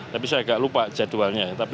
tapi saya agak lupa jadwalnya